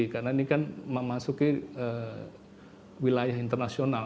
karena ini kan memasuki wilayah internasional